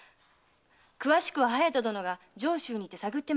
詳しくは隼人殿が上州にて探ってまいりましょう。